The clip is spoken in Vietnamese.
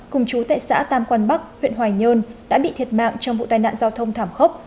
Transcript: cùng chú tại xã tam quan bắc huyện hoài nhơn đã bị thiệt mạng trong vụ tai nạn giao thông thảm khốc